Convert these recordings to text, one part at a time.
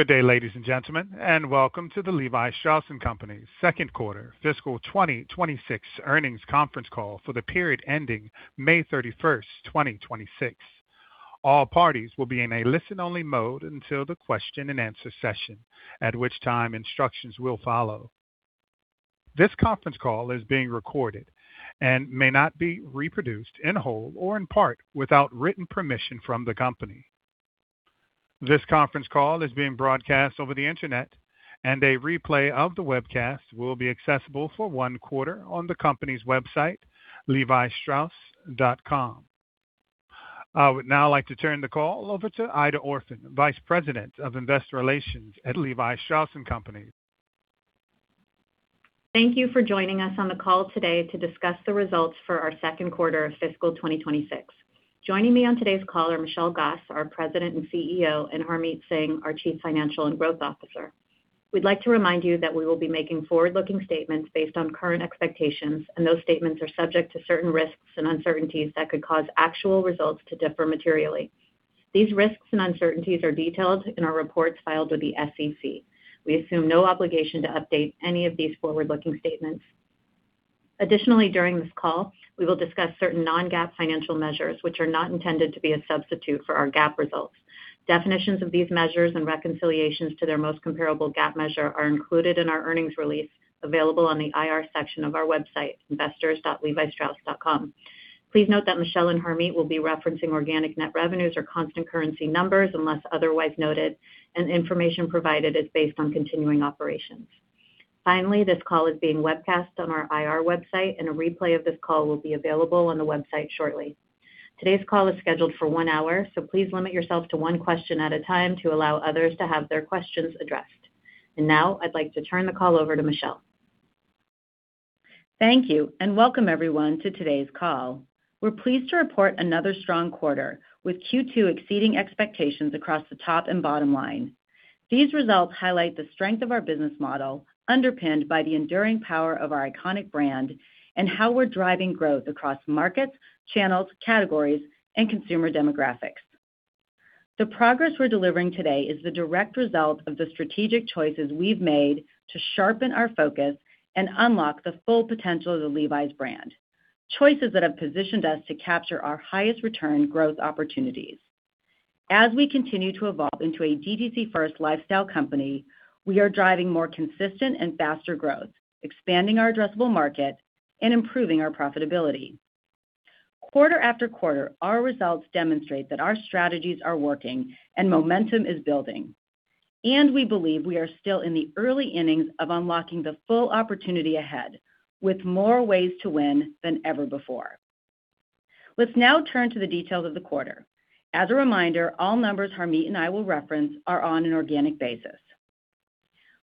Good day, ladies and gentlemen, and welcome to the Levi Strauss & Co's second quarter fiscal 2026 earnings conference call for the period ending May 31st, 2026. All parties will be in a listen-only mode until the question-and-answer session, at which time instructions will follow. This conference call is being recorded and may not be reproduced in whole or in part without written permission from the company. This conference call is being broadcast over the internet, and a replay of the webcast will be accessible for one quarter on the company's website, levistrauss.com. I would now like to turn the call over to Aida Orphan, Vice President of Investor Relations at Levi Strauss & Co. Thank you for joining us on the call today to discuss the results for our second quarter of fiscal 2026. Joining me on today's call are Michelle Gass, our President and CEO, and Harmit Singh, our Chief Financial and Growth Officer. We'd like to remind you that we will be making forward-looking statements based on current expectations, and those statements are subject to certain risks and uncertainties that could cause actual results to differ materially. These risks and uncertainties are detailed in our reports filed with the SEC. We assume no obligation to update any of these forward-looking statements. Additionally, during this call, we will discuss certain non-GAAP financial measures, which are not intended to be a substitute for our GAAP results. Definitions of these measures and reconciliations to their most comparable GAAP measure are included in our earnings release, available on the IR section of our website, investors.levistrauss.com. Please note that Michelle and Harmit will be referencing organic net revenues or constant currency numbers unless otherwise noted, and information provided is based on continuing operations. Finally, this call is being webcast on our IR website, and a replay of this call will be available on the website shortly. Today's call is scheduled for one hour, so please limit yourself to one question at a time to allow others to have their questions addressed. Now, I'd like to turn the call over to Michelle. Thank you. Welcome everyone to today's call. We're pleased to report another strong quarter, with Q2 exceeding expectations across the top and bottom line. These results highlight the strength of our business model, underpinned by the enduring power of our iconic brand, and how we're driving growth across markets, channels, categories, and consumer demographics. The progress we're delivering today is the direct result of the strategic choices we've made to sharpen our focus and unlock the full potential of the Levi's brand, choices that have positioned us to capture our highest return growth opportunities. As we continue to evolve into a DTC-first lifestyle company, we are driving more consistent and faster growth, expanding our addressable market, and improving our profitability. Quarter after quarter, our results demonstrate that our strategies are working and momentum is building. We believe we are still in the early innings of unlocking the full opportunity ahead with more ways to win than ever before. Let's now turn to the details of the quarter. As a reminder, all numbers Harmit and I will reference are on an organic basis.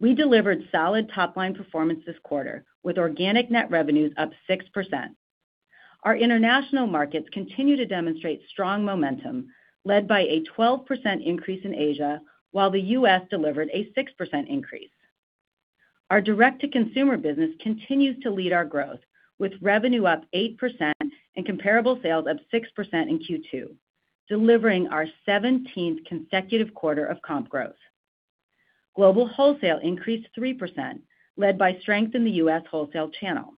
We delivered solid top-line performance this quarter, with organic net revenues up 6%. Our international markets continue to demonstrate strong momentum, led by a 12% increase in Asia, while the U.S. delivered a 6% increase. Our direct-to-consumer business continues to lead our growth, with revenue up 8% and comparable sales up 6% in Q2, delivering our 17th consecutive quarter of comp growth. Global wholesale increased 3%, led by strength in the U.S. wholesale channel.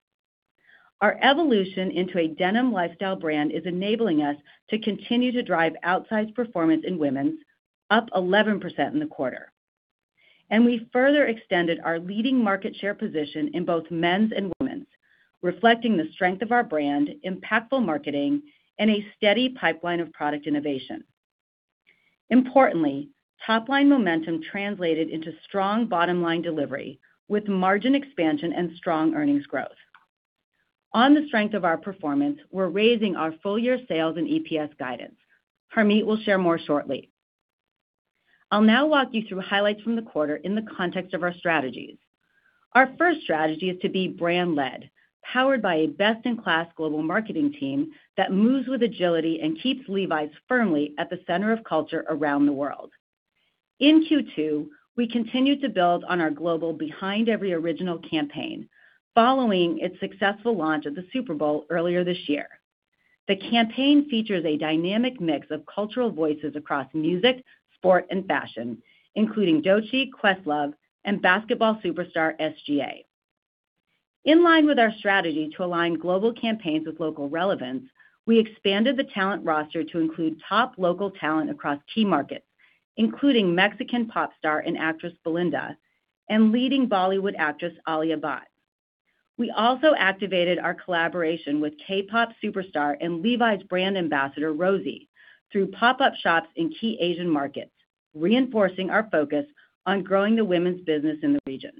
Our evolution into a denim lifestyle brand is enabling us to continue to drive outsized performance in women's, up 11% in the quarter. We further extended our leading market share position in both men's and women's, reflecting the strength of our brand, impactful marketing, and a steady pipeline of product innovation. Importantly, top-line momentum translated into strong bottom-line delivery, with margin expansion and strong earnings growth. On the strength of our performance, we're raising our full-year sales and EPS guidance. Harmit will share more shortly. I'll now walk you through highlights from the quarter in the context of our strategies. Our first strategy is to be brand led, powered by a best-in-class global marketing team that moves with agility and keeps Levi's firmly at the center of culture around the world. In Q2, we continued to build on our global Behind Every Original campaign, following its successful launch at the Super Bowl earlier this year. The campaign features a dynamic mix of cultural voices across music, sport, and fashion, including Doechii, Questlove, and basketball superstar SGA. In line with our strategy to align global campaigns with local relevance, we expanded the talent roster to include top local talent across key markets, including Mexican pop star and actress Belinda and leading Bollywood actress Alia Bhatt. We also activated our collaboration with K-pop superstar and Levi's brand ambassador Rosé through pop-up shops in key Asian markets, reinforcing our focus on growing the women's business in the region.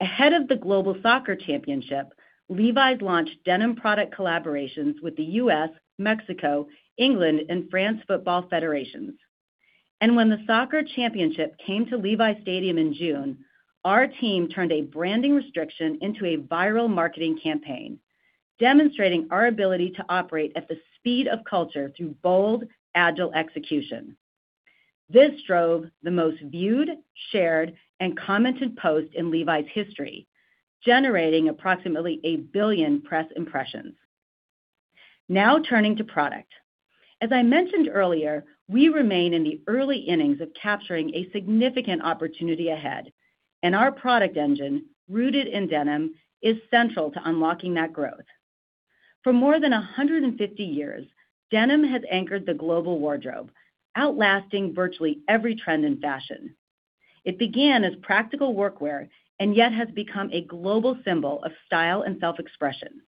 Ahead of the global soccer championship, Levi's launched denim product collaborations with the U.S., Mexico, England, and France football federations. When the soccer championship came to Levi's Stadium in June, our team turned a branding restriction into a viral marketing campaign, demonstrating our ability to operate at the speed of culture through bold, agile execution. This drove the most viewed, shared, and commented post in Levi's history, generating approximately a billion press impressions. Turning to product. As I mentioned earlier, we remain in the early innings of capturing a significant opportunity ahead. Our product engine, rooted in denim, is central to unlocking that growth. For more than 150 years, denim has anchored the global wardrobe, outlasting virtually every trend in fashion. It began as practical workwear and yet has become a global symbol of style and self-expression.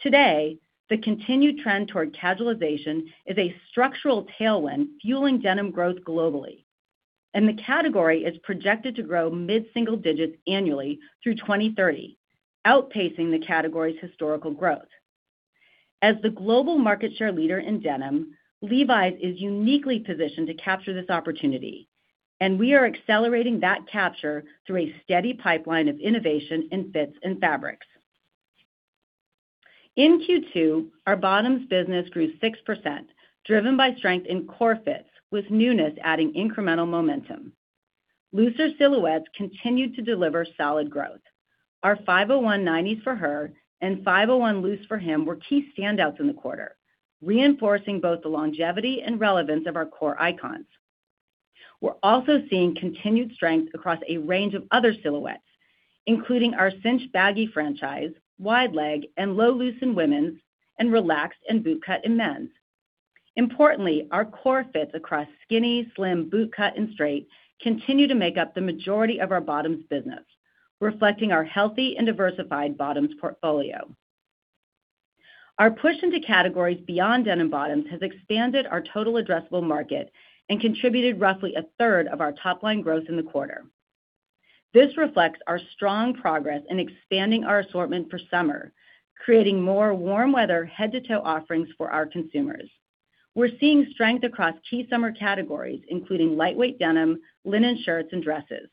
Today, the continued trend toward casualization is a structural tailwind fueling denim growth globally. The category is projected to grow mid-single-digits annually through 2030, outpacing the category's historical growth. As the global market share leader in denim, Levi's is uniquely positioned to capture this opportunity. We are accelerating that capture through a steady pipeline of innovation in fits and fabrics. In Q2, our bottoms business grew 6%, driven by strength in core fits, with newness adding incremental momentum. Looser silhouettes continued to deliver solid growth. Our 501 '90s for Her and 501 Loose for Him were key standouts in the quarter, reinforcing both the longevity and relevance of our core icons. We are also seeing continued strength across a range of other silhouettes, including our cinch baggy franchise, wide-leg, and low loose in women's, and relaxed and boot cut in men's. Importantly, our core fits across skinny, slim, boot cut, and straight continue to make up the majority of our bottoms business, reflecting our healthy and diversified bottoms portfolio. Our push into categories beyond denim bottoms has expanded our total addressable market and contributed roughly 1/3 of our top-line growth in the quarter. This reflects our strong progress in expanding our assortment for summer, creating more warm weather head-to-toe offerings for our consumers. We are seeing strength across key summer categories, including lightweight denim, linen shirts, and dresses.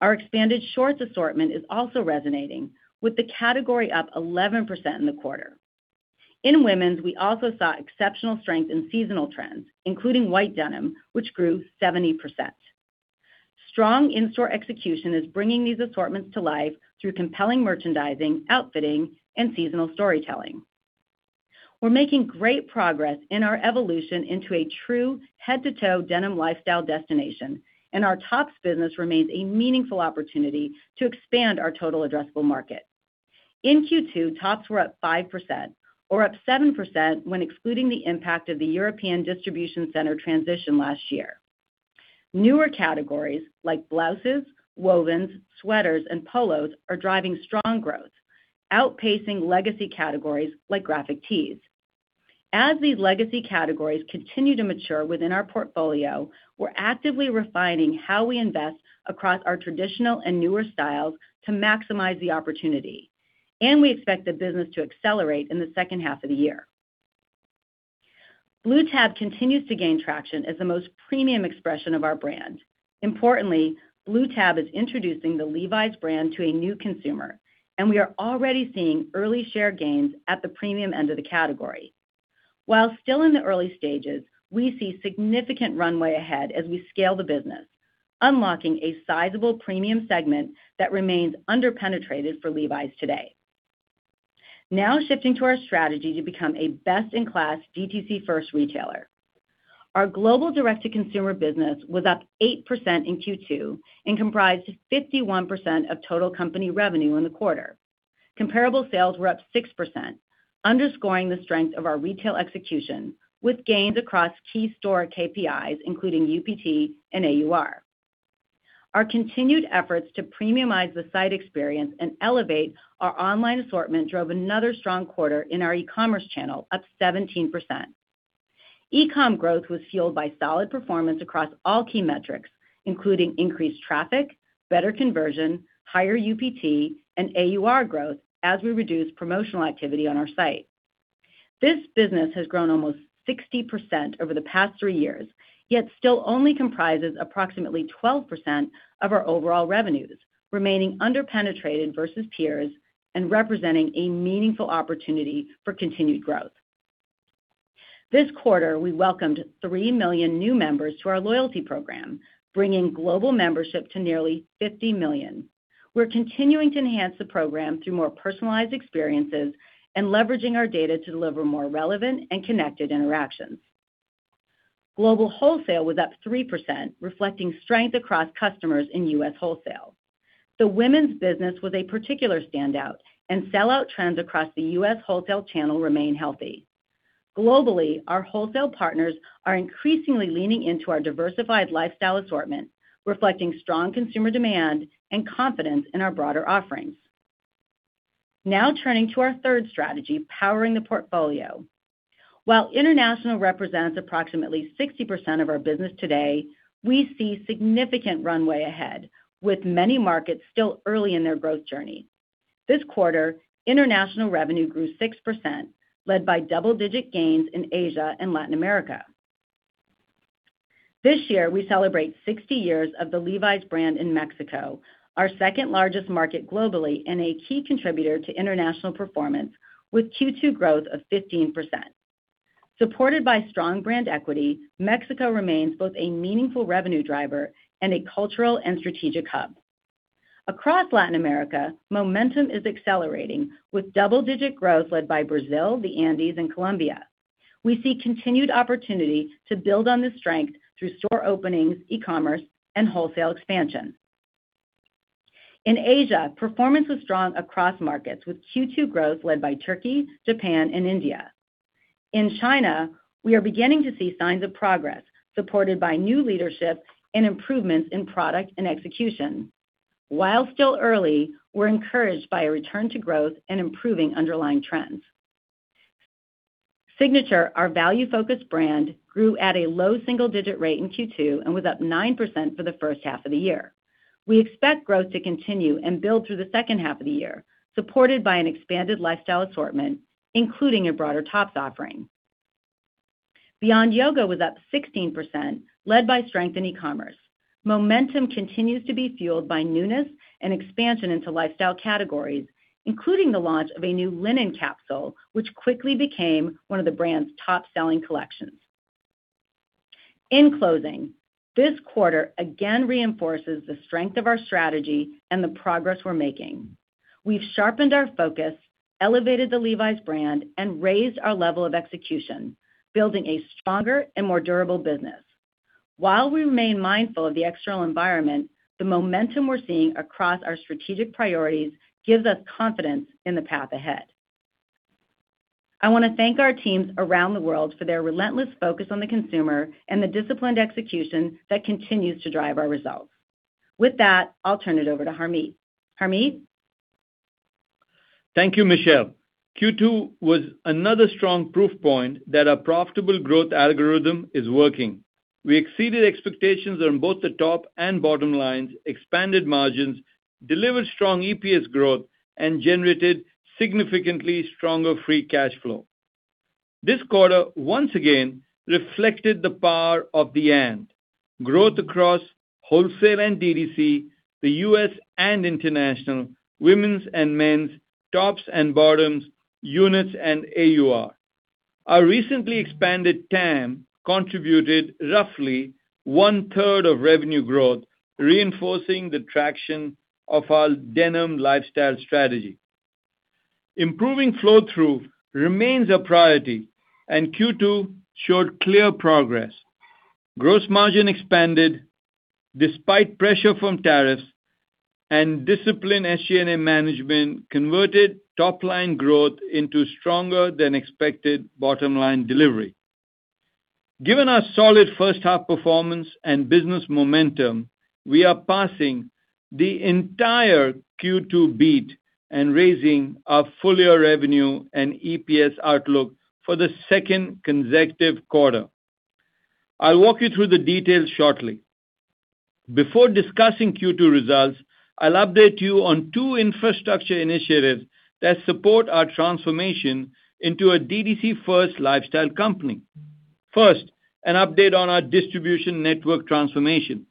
Our expanded shorts assortment is also resonating, with the category up 11% in the quarter. In women's, we also saw exceptional strength in seasonal trends, including white denim, which grew 70%. Strong in-store execution is bringing these assortments to life through compelling merchandising, outfitting, and seasonal storytelling. We are making great progress in our evolution into a true head-to-toe denim lifestyle destination. Our tops business remains a meaningful opportunity to expand our total addressable market. In Q2, tops were up 5%, or up 7% when excluding the impact of the European distribution center transition last year. Newer categories like blouses, wovens, sweaters, and polos are driving strong growth, outpacing legacy categories like graphic tees. As these legacy categories continue to mature within our portfolio, we are actively refining how we invest across our traditional and newer styles to maximize the opportunity. We expect the business to accelerate in the second half of the year. Blue Tab continues to gain traction as the most premium expression of our brand. Importantly, Blue Tab is introducing the Levi's brand to a new consumer, and we are already seeing early share gains at the premium end of the category. While still in the early stages, we see significant runway ahead as we scale the business, unlocking a sizable premium segment that remains under-penetrated for Levi's today. Now, shifting to our strategy to become a best-in-class DTC-first retailer. Our global direct-to-consumer business was up 8% in Q2 and comprised 51% of total company revenue in the quarter. Comparable sales were up 6%, underscoring the strength of our retail execution, with gains across key store KPIs, including UPT and AUR. Our continued efforts to premiumize the site experience and elevate our online assortment drove another strong quarter in our e-commerce channel, up 17%. E-com growth was fueled by solid performance across all key metrics, including increased traffic, better conversion, higher UPT and AUR growth as we reduce promotional activity on our site. This business has grown almost 60% over the past three years, yet still only comprises approximately 12% of our overall revenues, remaining under-penetrated versus peers and representing a meaningful opportunity for continued growth. This quarter, we welcomed 3 million new members to our loyalty program, bringing global membership to nearly 50 million. We're continuing to enhance the program through more personalized experiences and leveraging our data to deliver more relevant and connected interactions. Global wholesale was up 3%, reflecting strength across customers in U.S. wholesale. The women's business was a particular standout, and sell-out trends across the U.S. wholesale channel remain healthy. Globally, our wholesale partners are increasingly leaning into our diversified lifestyle assortment, reflecting strong consumer demand and confidence in our broader offerings. Turning to our third strategy, powering the portfolio. While international represents approximately 60% of our business today, we see significant runway ahead, with many markets still early in their growth journey. This quarter, international revenue grew 6%, led by double-digit gains in Asia and Latin America. This year, we celebrate 60 years of the Levi's brand in Mexico, our second-largest market globally and a key contributor to international performance, with Q2 growth of 15%. Supported by strong brand equity, Mexico remains both a meaningful revenue driver and a cultural and strategic hub. Across Latin America, momentum is accelerating with double-digit growth led by Brazil, the Andes, and Colombia. We see continued opportunity to build on this strength through store openings, e-commerce, and wholesale expansion. In Asia, performance was strong across markets, with Q2 growth led by Turkey, Japan, and India. In China, we are beginning to see signs of progress, supported by new leadership and improvements in product and execution. While still early, we're encouraged by a return to growth and improving underlying trends. Signature, our value-focused brand, grew at a low single-digit rate in Q2 and was up 9% for the first half of the year. We expect growth to continue and build through the second half of the year, supported by an expanded lifestyle assortment, including a broader tops offering. Beyond Yoga was up 16%, led by strength in e-commerce. Momentum continues to be fueled by newness and expansion into lifestyle categories, including the launch of a new linen capsule, which quickly became one of the brand's top-selling collections. In closing, this quarter again reinforces the strength of our strategy and the progress we're making. We've sharpened our focus, elevated the Levi's brand, and raised our level of execution, building a stronger and more durable business. While we remain mindful of the external environment, the momentum we're seeing across our strategic priorities gives us confidence in the path ahead. I want to thank our teams around the world for their relentless focus on the consumer and the disciplined execution that continues to drive our results. With that, I'll turn it over to Harmit. Harmit? Thank you, Michelle. Q2 was another strong proof point that our profitable growth algorithm is working. We exceeded expectations on both the top and bottom lines, expanded margins, delivered strong EPS growth, and generated significantly stronger free cash flow. This quarter, once again, reflected the Power of And—growth across wholesale and DTC, the U.S. and international, women's and men's, tops and bottoms units, and AUR. Our recently expanded TAM contributed roughly 1/3 of revenue growth, reinforcing the traction of our denim lifestyle strategy. Improving flow-through remains a priority. Q2 showed clear progress. Gross margin expanded despite pressure from tariffs and disciplined SG&A management converted top-line growth into stronger than expected bottom-line delivery. Given our solid first half performance and business momentum, we are passing the entire Q2 beat and raising our full-year revenue and EPS outlook for the second consecutive quarter. I'll walk you through the details shortly. Before discussing Q2 results, I'll update you on two infrastructure initiatives that support our transformation into a DTC-first lifestyle company. First, an update on our distribution network transformation.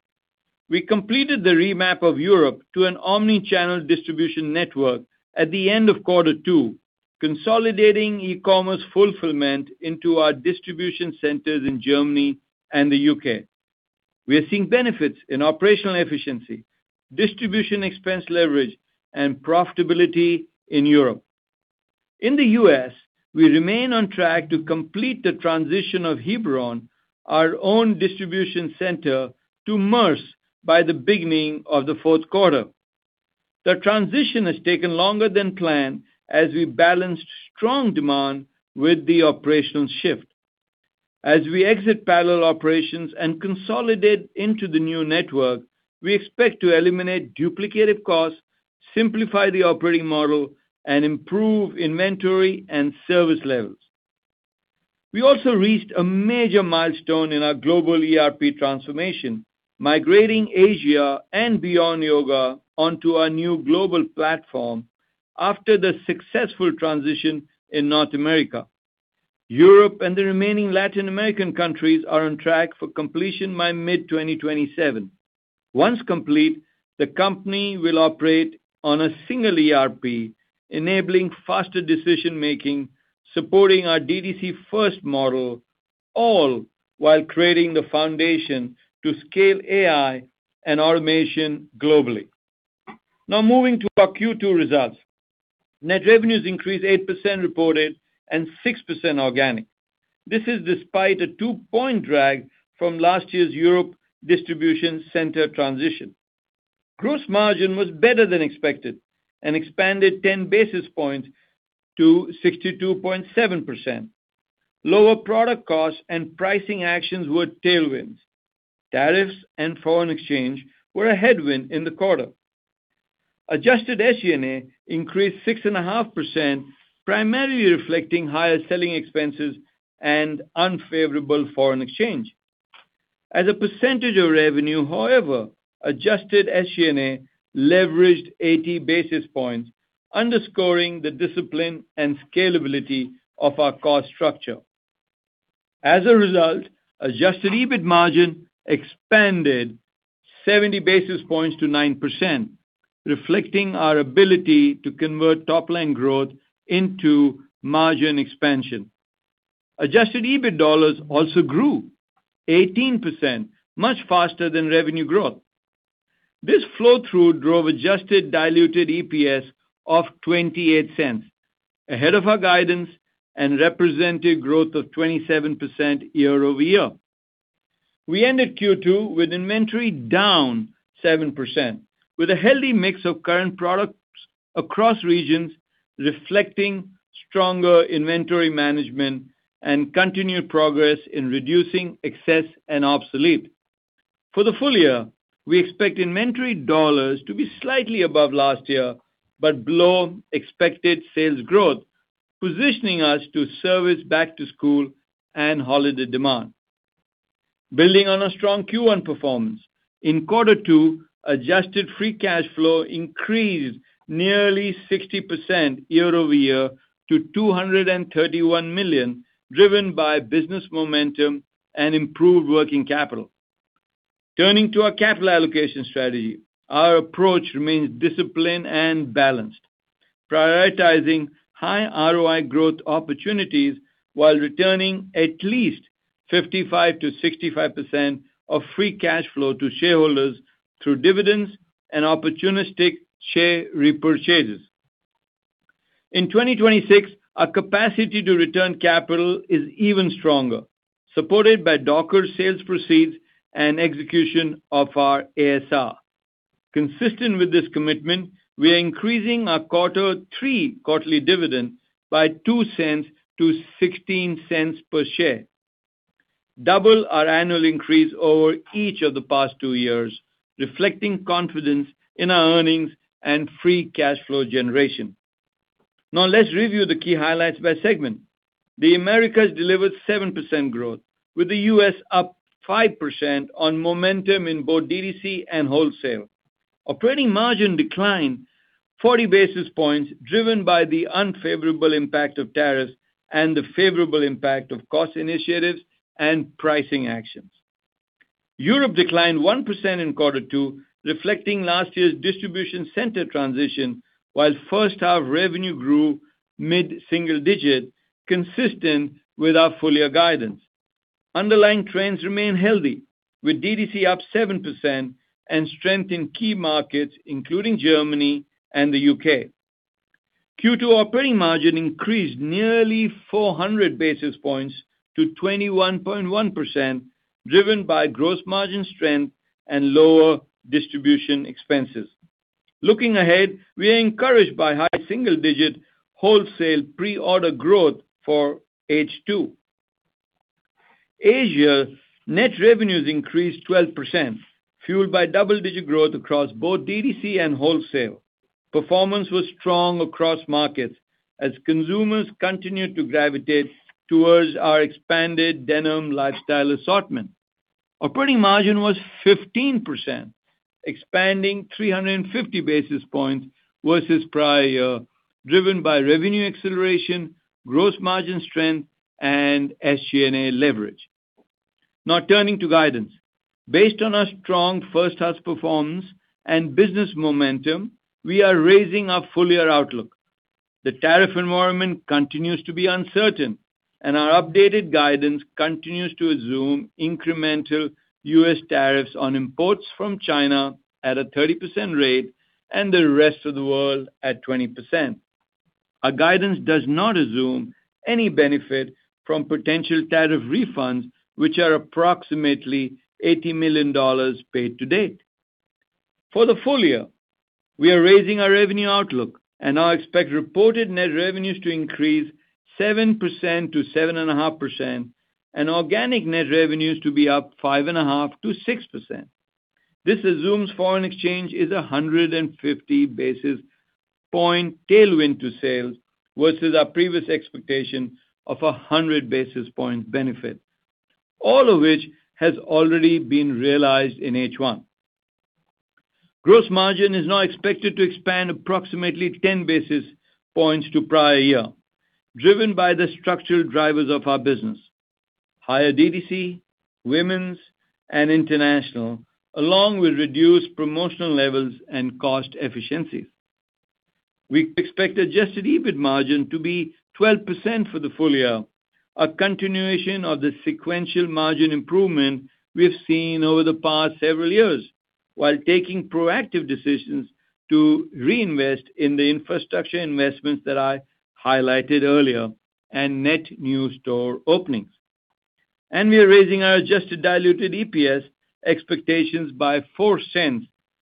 We completed the remap of Europe to an omni-channel distribution network at the end of quarter two, consolidating e-commerce fulfillment into our distribution centers in Germany and the U.K. We are seeing benefits in operational efficiency, distribution expense leverage, and profitability in Europe. In the U.S., we remain on track to complete the transition of Hebron, our own distribution center, to Maersk by the beginning of the fourth quarter. The transition has taken longer than planned as we balanced strong demand with the operational shift. As we exit parallel operations and consolidate into the new network, we expect to eliminate duplicative costs, simplify the operating model, and improve inventory and service levels. We also reached a major milestone in our global ERP transformation, migrating Asia and Beyond Yoga onto our new global platform after the successful transition in North America. Europe and the remaining Latin American countries are on track for completion by mid-2027. Once complete, the company will operate on a single ERP, enabling faster decision making, supporting our DTC-first model, all while creating the foundation to scale AI and automation globally. Moving to our Q2 results. Net revenues increased 8% reported and 6% organic. This is despite a two-point drag from last year's Europe distribution center transition. Gross margin was better than expected and expanded 10 basis points to 62.7%. Lower product costs and pricing actions were tailwinds. Tariffs and foreign exchange were a headwind in the quarter. Adjusted SG&A increased 6.5%, primarily reflecting higher selling expenses and unfavorable foreign exchange. As a percentage of revenue, however, adjusted SG&A leveraged 80 basis points, underscoring the discipline and scalability of our cost structure. As a result, adjusted EBIT margin expanded 70 basis points to 9%, reflecting our ability to convert top-line growth into margin expansion. Adjusted EBIT dollars also grew 18%, much faster than revenue growth. This flow-through drove adjusted diluted EPS of $0.28, ahead of our guidance and represented growth of 27% year-over-year. We ended Q2 with inventory down 7%, with a healthy mix of current products across regions, reflecting stronger inventory management and continued progress in reducing excess and obsolete. For the full-year, we expect inventory dollars to be slightly above last year, but below expected sales growth, positioning us to service back-to-school and holiday demand. Building on a strong Q1 performance, in quarter two, adjusted free cash flow increased nearly 60% year-over-year to $231 million, driven by business momentum and improved working capital. Turning to our capital allocation strategy, our approach remains disciplined and balanced, prioritizing high ROI growth opportunities while returning at least 55%-65% of free cash flow to shareholders through dividends and opportunistic share repurchases. In 2026, our capacity to return capital is even stronger, supported by Dockers sales proceeds and execution of our ASR. Consistent with this commitment, we are increasing our quarter three quarterly dividend by $0.02 to $0.16 per share, double our annual increase over each of the past two years, reflecting confidence in our earnings and free cash flow generation. Now, let's review the key highlights by segment. The Americas delivered 7% growth, with the U.S. up 5% on momentum in both DTC and wholesale. Operating margin declined 40 basis points, driven by the unfavorable impact of tariffs and the favorable impact of cost initiatives and pricing actions. Europe declined 1% in quarter two, reflecting last year's distribution center transition, while first half revenue grew mid-single-digit, consistent with our full-year guidance. Underlying trends remain healthy, with DTC up 7% and strength in key markets, including Germany and the U.K. Q2 operating margin increased nearly 400 basis points to 21.1%, driven by gross margin strength and lower distribution expenses. Looking ahead, we are encouraged by high single-digit wholesale pre-order growth for H2. Asia net revenues increased 12%, fueled by double-digit growth across both DTC and wholesale. Performance was strong across markets as consumers continued to gravitate towards our expanded denim lifestyle assortment. Operating margin was 15%, expanding 350 basis points versus prior year, driven by revenue acceleration, gross margin strength, and SG&A leverage. Now, turning to guidance. Based on our strong first half performance and business momentum, we are raising our full-year outlook. The tariff environment continues to be uncertain. Our updated guidance continues to assume incremental U.S. tariffs on imports from China at a 30% rate and the rest of the world at 20%. Our guidance does not assume any benefit from potential tariff refunds, which are approximately $80 million paid to date. For the full year, we are raising our revenue outlook. Now, expect reported net revenues to increase 7%-7.5% and organic net revenues to be up 5.5%-6%. This assumes foreign exchange is 150 basis point tailwind to sales versus our previous expectation of 100 basis point benefit, all of which has already been realized in H1. Gross margin is now expected to expand approximately 10 basis points to prior year, driven by the structural drivers of our business—higher DTC, women's, and international, along with reduced promotional levels and cost efficiencies. We expect adjusted EBIT margin to be 12% for the full year, a continuation of the sequential margin improvement we've seen over the past several years, while taking proactive decisions to reinvest in the infrastructure investments that I highlighted earlier and net new store openings. We are raising our adjusted diluted EPS expectations by $0.04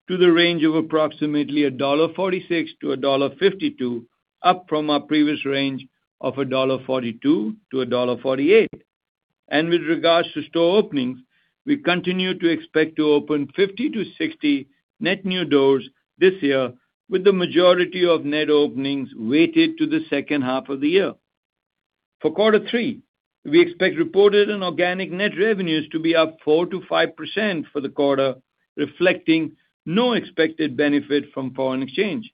to the range of approximately $1.46-$1.52, up from our previous range of $1.42-$1.48. With regards to store openings, we continue to expect to open 50 to 60 net new doors this year, with the majority of net openings weighted to the second half of the year. For quarter three, we expect reported and organic net revenues to be up 4%-5% for the quarter, reflecting no expected benefit from foreign exchange.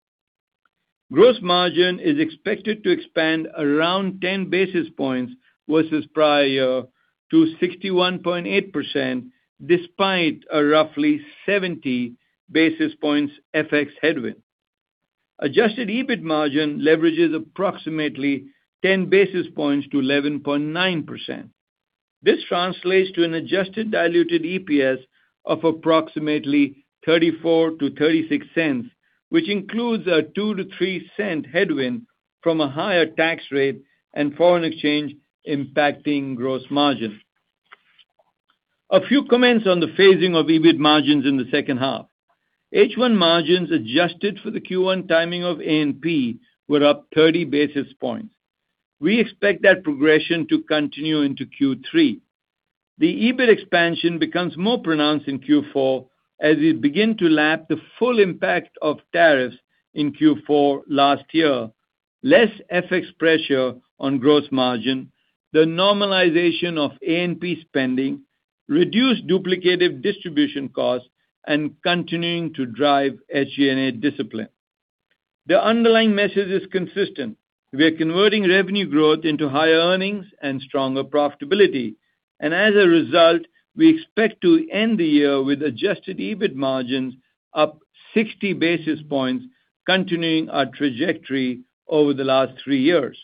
Gross margin is expected to expand around 10 basis points, versus prior, to 61.8%, despite a roughly 70 basis points FX headwind. Adjusted EBIT margin leverages approximately 10 basis points to 11.9%. This translates to an adjusted diluted EPS of approximately $0.34-$0.36, which includes a $0.02-$0.03 headwind from a higher tax rate and foreign exchange impacting gross margin. A few comments on the phasing of EBIT margins in the second half. H1 margins adjusted for the Q1 timing of A&P were up 30 basis points. We expect that progression to continue into Q3. The EBIT expansion becomes more pronounced in Q4 as we begin to lap the full impact of tariffs in Q4 last year, less FX pressure on gross margin, the normalization of A&P spending, reduced duplicative distribution costs, and continuing to drive SG&A discipline. The underlying message is consistent—we are converting revenue growth into higher earnings and stronger profitability. As a result, we expect to end the year with adjusted EBIT margins up 60 basis points, continuing our trajectory over the last three years.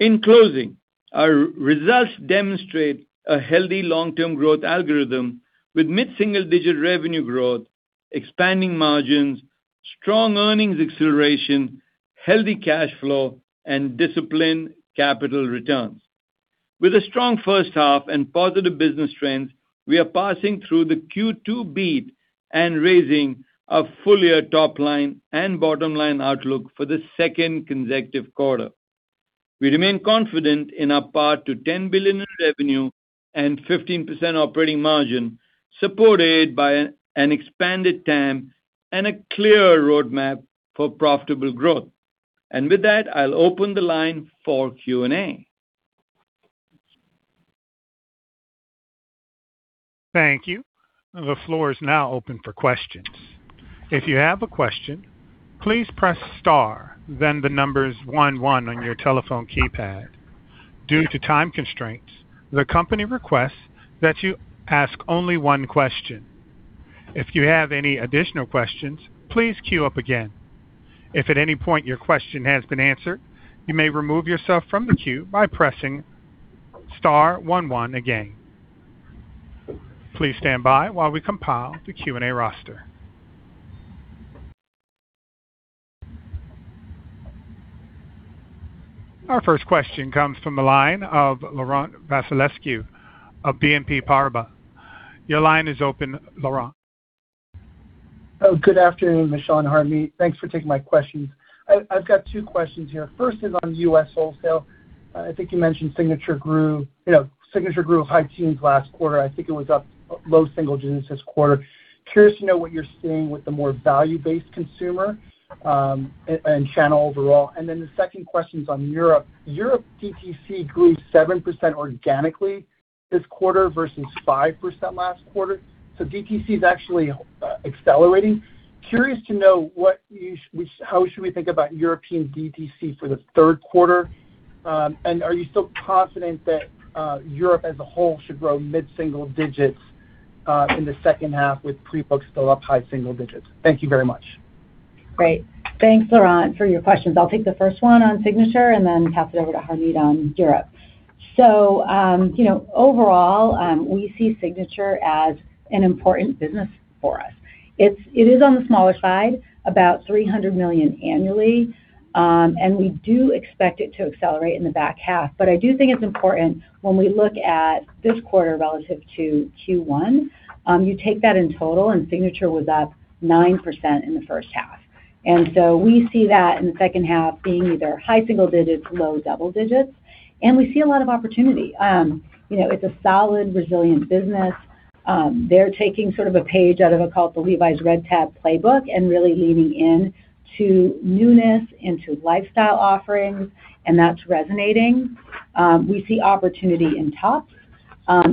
In closing, our results demonstrate a healthy long-term growth algorithm with mid-single-digit revenue growth, expanding margins, strong earnings acceleration, healthy cash flow, and disciplined capital returns. With a strong first half and positive business trends, we are passing through the Q2 beat and raising our full-year top-line and bottom-line outlook for the second consecutive quarter. We remain confident in our path to $10 billion in revenue and 15% operating margin, supported by an expanded TAM and a clear roadmap for profitable growth. With that, I'll open the line for Q&A. Thank you. The floor is now open for questions. If you have a question, please press star then the numbers one one on your telephone keypad. Due to time constraints, the company requests that you ask only one question. If you have any additional questions, please queue up again. If at any point your question has been answered, you may remove yourself from the queue by pressing star one one again. Please stand by while we compile the Q&A roster. Our first question comes from the line of Laurent Vasilescu of BNP Paribas. Your line is open, Laurent. Good afternoon, Michelle and Harmit. Thanks for taking my questions. I have two questions here. First is on U.S. wholesale. I think you mentioned Signature grew high teens last quarter. I think it was up low single-digits this quarter. Curious to know what you are seeing with the more value-based consumer, and channel overall. The second question is on Europe. Europe DTC grew 7% organically this quarter versus 5% last quarter. DTC is actually accelerating. Curious to know how should we think about European DTC for the third quarter. Are you still confident that Europe as a whole should grow mid-single-digits in the second half with pre-books still up high single-digits? Thank you very much. Great. Thanks, Laurent, for your questions. I will take the first one on Signature and then pass it over to Harmit on Europe. Overall, we see Signature as an important business for us. It is on the smaller side, about $300 million annually. We do expect it to accelerate in the back half. I do think it is important when we look at this quarter relative to Q1, you take that in total and Signature was up 9% in the first half. We see that in the second half being either high single-digits, low double-digits, and we see a lot of opportunity. It is a solid, resilient business. They are taking a page out of what is called the Levi's Red Tab playbook and really leaning into newness, into lifestyle offerings, and that is resonating. We see opportunity in tops,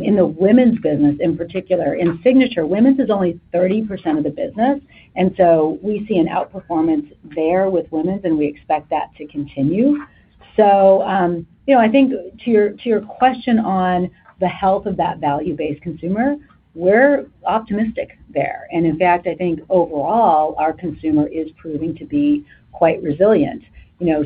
in the women's business, in particular. In Signature, women's is only 30% of the business, we see an outperformance there with women's, and we expect that to continue. I think to your question on the health of that value-based consumer, we are optimistic there. In fact, I think overall, our consumer is proving to be quite resilient.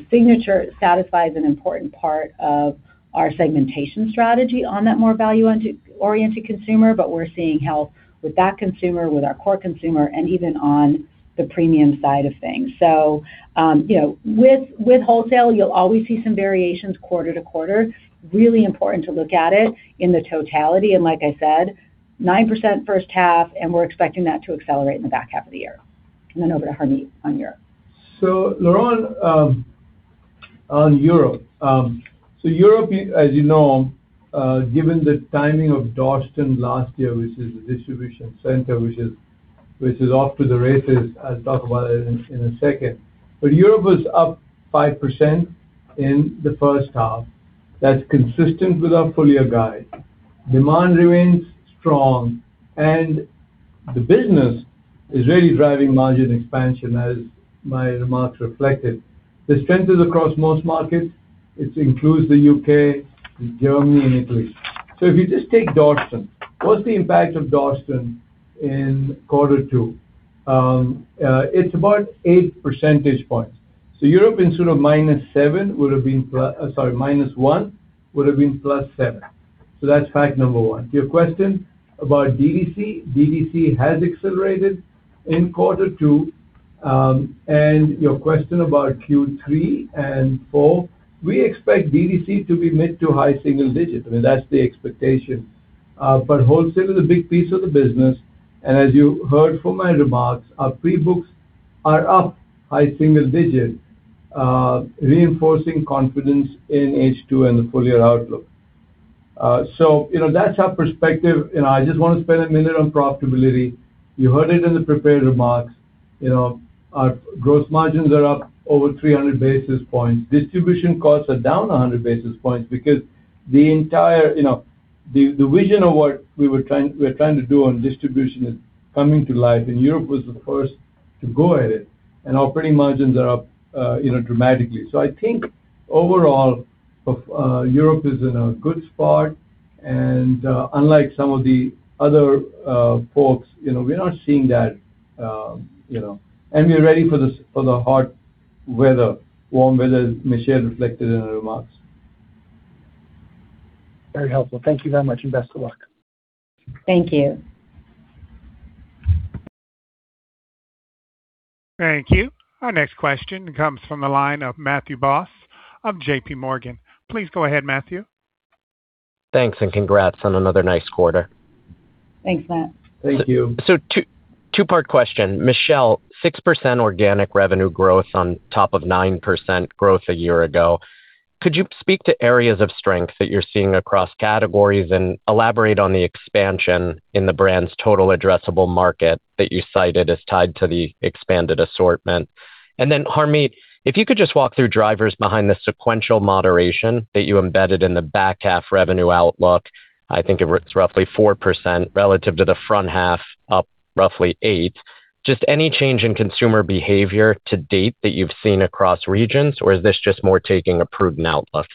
Signature satisfies an important part of our segmentation strategy on that more value-oriented consumer, but we are seeing health with that consumer, with our core consumer, and even on the premium side of things. With wholesale, you will always see some variations quarter to quarter. It is really important to look at it in the totality. Like I said, 9% first half, and we are expecting that to accelerate in the back half of the year. Then over to Harmit on Europe. Laurent, on Europe. Europe, as you know—given the timing of Dorsten last year, which is the distribution center, which is off to the races, I will talk about it in a second—was up 5% in the first half. That is consistent with our full-year guide. Demand remains strong, and the business is really driving margin expansion as my remarks reflected. This trend is across most markets. It includes the U.K., Germany, and Italy. If you just take Dorsten, what's the impact of Dorsten in quarter two? It's about 8 percentage points. Europe, instead of -1 percentage point, would've been +7 percentage points. That's fact number one. To your question about DTC, DTC has accelerated in quarter two. Your question about Q3 and Q4, we expect DTC to be mid to high single-digits. I mean, that's the expectation. Wholesale is a big piece of the business, and as you heard from my remarks, our pre-books are up high single-digit, reinforcing confidence in H2 and the full-year outlook. That's our perspective. I just want to spend a minute on profitability. You heard it in the prepared remarks. Our gross margins are up over 300 basis points. Distribution costs are down 100 basis points because the vision of what we're trying to do on distribution is coming to life, and Europe was the first to go at it, and operating margins are up dramatically. I think overall, Europe is in a good spot and, unlike some of the other folks, we're not seeing that. We are ready for the hot weather, warm weather, as Michelle reflected in her remarks. Very helpful. Thank you very much, and best of luck. Thank you. Thank you. Our next question comes from the line of Matthew Boss of JP Morgan. Please go ahead, Matthew. Thanks. Congrats on another nice quarter. Thanks, Matt. Thank you. Two-part question. Michelle, 6% organic revenue growth on top of 9% growth a year ago. Could you speak to areas of strength that you're seeing across categories and elaborate on the expansion in the brand's total addressable market that you cited as tied to the expanded assortment? Harmit, if you could just walk through drivers behind the sequential moderation that you embedded in the back half revenue outlook. I think it's roughly 4% relative to the front half, up roughly 8%. Any change in consumer behavior to date that you've seen across regions, or is this just more taking a prudent outlook?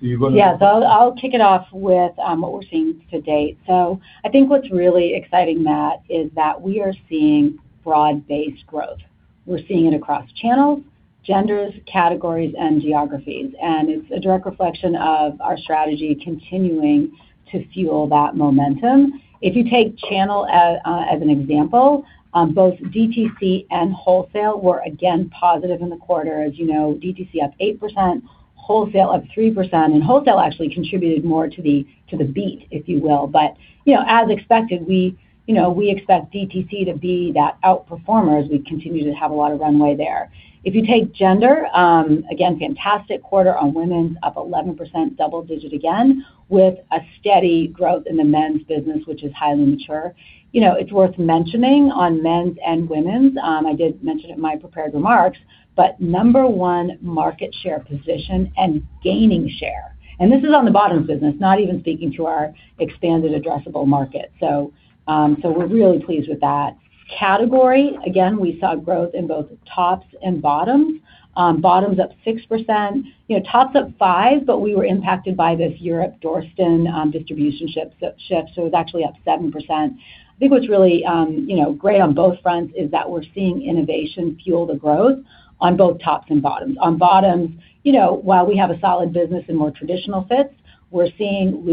You go ahead. I'll kick it off with what we're seeing to date. I think what's really exciting, Matt, is that we are seeing broad-based growth. We're seeing it across channels, genders, categories, and geographies, and it's a direct reflection of our strategy continuing to fuel that momentum. If you take channel as an example, both DTC and wholesale were again positive in the quarter. As you know, DTC up 8%, wholesale up 3%, and wholesale actually contributed more to the beat, if you will. As expected, we expect DTC to be that outperformer as we continue to have a lot of runway there. If you take gender, again, fantastic quarter on women's, up 11%, double-digit again, with a steady growth in the men's business, which is highly mature. It's worth mentioning on men's and women's, I did mention it in my prepared remarks, number one market share position and gaining share. This is on the bottoms business, not even speaking to our expanded addressable market. We're really pleased with that category. Again, we saw growth in both tops and bottoms. Bottoms up 6%. Tops up 5%, but we were impacted by this Europe Dorsten distribution shift, so it was actually up 7%. I think what's really great on both fronts is that we're seeing innovation fuel the growth on both tops and bottoms. On bottoms, while we have a solid business in more traditional fits, we're seeing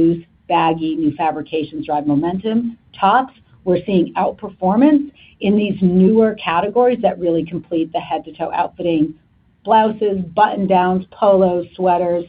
loose, baggy new fabrications drive momentum. Tops, we're seeing outperformance in these newer categories that really complete the head-to-toe outfitting. Blouses, button-downs, polos, sweaters,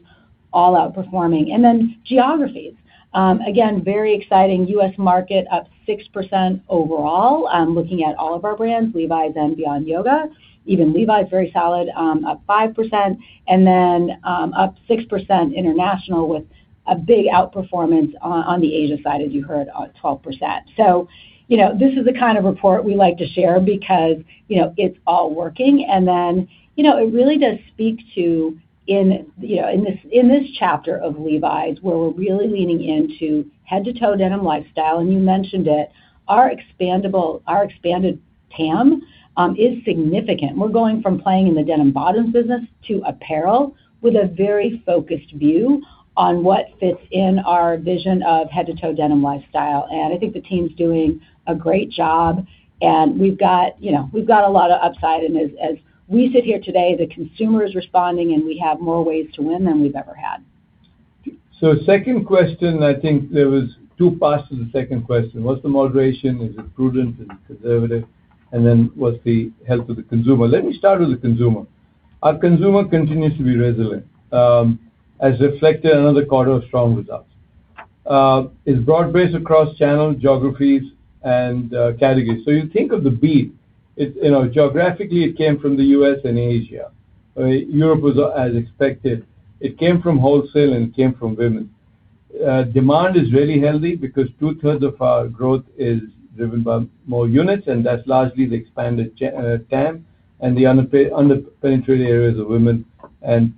all outperforming. Then geographies. Again, very exciting. U.S. market up 6% overall, looking at all of our brands, Levi's and Beyond Yoga. Even Levi's very solid, up 5%, up 6% international, with a big outperformance on the Asia side, as you heard, 12%. This is the kind of report we like to share because it's all working. It really does speak to—in this chapter of Levi's, where we're really leaning into head-to-toe denim lifestyle—and you mentioned it, our expanded TAM is significant. We're going from playing in the denim bottoms business to apparel with a very focused view on what fits in our vision of head-to-toe denim lifestyle. I think the team's doing a great job, and we've got a lot of upside, and as we sit here today, the consumer is responding, and we have more ways to win than we've ever had. I think there was two parts to the second question. What's the moderation—is it prudent and conservative? What's the health of the consumer? Let me start with the consumer. Our consumer continues to be resilient, as reflected in another quarter of strong results. It's broad-based across channels, geographies, and categories. You think of the beat, geographically, it came from the U.S. and Asia. Europe was as expected. It came from wholesale and it came from women. Demand is really healthy because 2/3 of our growth is driven by more units, and that's largely the expanded TAM and the under-penetrated areas of women and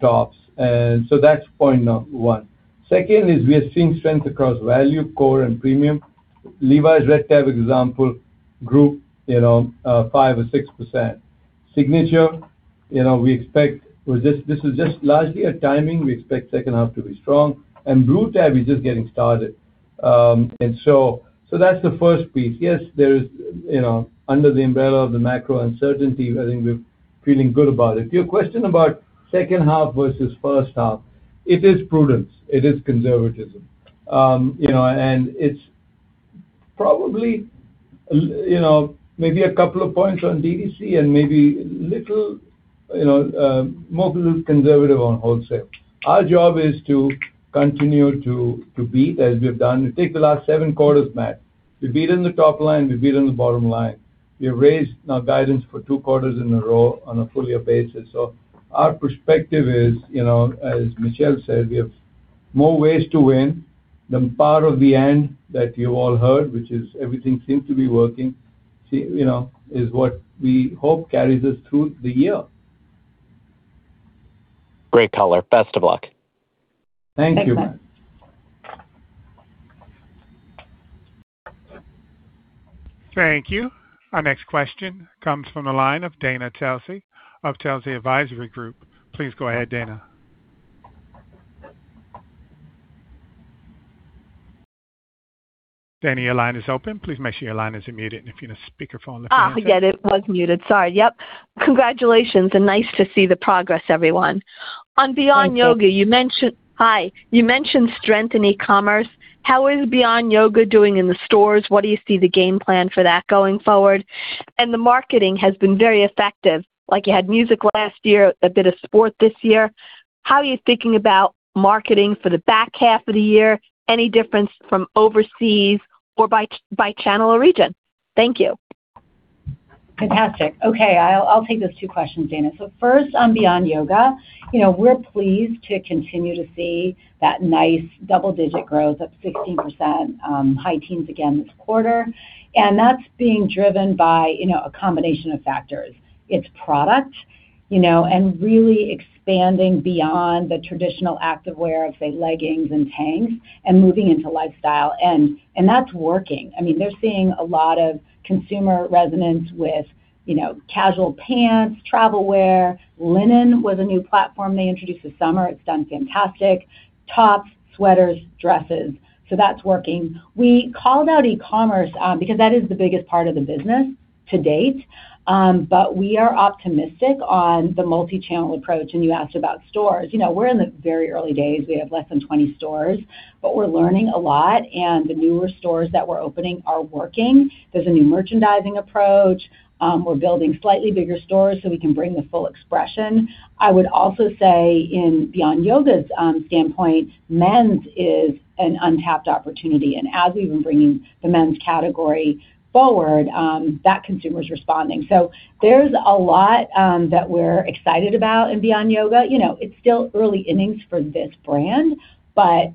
tops. That's point one. Second is we are seeing strength across value, core, and premium. Levi's Red Tab, example, grew 5% or 6%. Signature, this is just largely a timing. We expect second half to be strong. Blue Tab is just getting started. That's the first piece. Yes, there is under the umbrella of the macro uncertainty, I think we're feeling good about it. To your question about second half versus first half, it is prudence, it is conservatism. It's probably maybe a couple of points on DTC and maybe little more conservative on wholesale. Our job is to continue to beat as we've done. Take the last seven quarters, Matt. We beat on the top line, we beat on the bottom line. We have raised our guidance for two quarters in a row on a full-year basis. Our perspective is, as Michelle said, we have more ways to win. The Power of And that you've all heard, which is everything seems to be working, is what we hope carries us through the year. Great color. Best of luck. Thank you, Matt. Thanks, Matt. Thank you. Our next question comes from the line of Dana Telsey of Telsey Advisory Group. Please go ahead, Dana. Dana, your line is open. Please make sure your line is unmuted and if you're on speakerphone, if you can- Yes, it was muted. Sorry. Yes. Congratulations, and nice to see the progress, everyone. Thank you. On Beyond Yoga—hi—you mentioned strength in e-commerce. How is Beyond Yoga doing in the stores? What do you see the game plan for that going forward? The marketing has been very effective. You had music last year, a bit of sport this year. How are you thinking about marketing for the back half of the year? Any difference from overseas or by channel or region? Thank you. Fantastic. Okay. I'll take those two questions, Dana. First on Beyond Yoga. We're pleased to continue to see that nice double-digit growth of 16%, high teens again this quarter. That's being driven by a combination of factors. It's product, and really expanding beyond the traditional activewear of say, leggings and tanks, and moving into lifestyle. That's working. They're seeing a lot of consumer resonance with casual pants, travelwear. Linen was a new platform they introduced this summer. It's done fantastic. Tops, sweaters, dresses. That's working. We called out e-commerce because that is the biggest part of the business to date. We are optimistic on the multi-channel approach. You asked about stores. We're in the very early days. We have less than 20 stores, but we're learning a lot, and the newer stores that we're opening are working. There's a new merchandising approach. We're building slightly bigger stores so we can bring the full expression. I would also say in Beyond Yoga's standpoint, men's is an untapped opportunity. As we've been bringing the men's category forward, that consumer's responding. There's a lot that we're excited about in Beyond Yoga. It's still early innings for this brand, but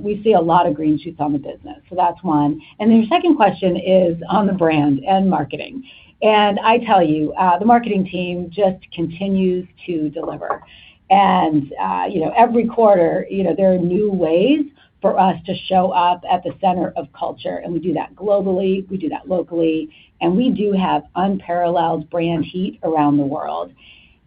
we see a lot of green shoots on the business. That's one. Your second question is on the brand and marketing. I tell you, the marketing team just continues to deliver. Every quarter, there are new ways for us to show up at the center of culture. We do that globally, we do that locally, and we do have unparalleled brand heat around the world.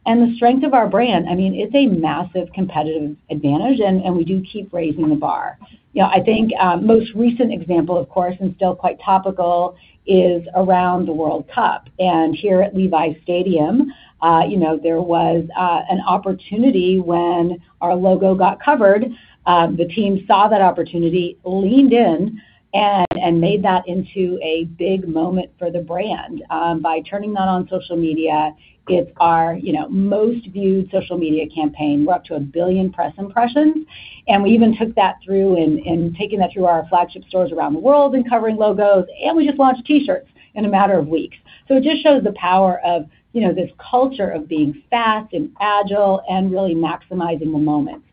The strength of our brand, it's a massive competitive advantage, and we do keep raising the bar. Most recent example, of course, and still quite topical is around the World Cup. Here at Levi's Stadium, there was an opportunity when our logo got covered. The team saw that opportunity, leaned in, and made that into a big moment for the brand. By turning that on social media, it's our most viewed social media campaign. We're up to a billion press impressions. We even took that through and taken that through our flagship stores around the world and covering logos, and we just launched T-shirts in a matter of weeks. It just shows the power of this culture of being fast and agile and really maximizing the moment.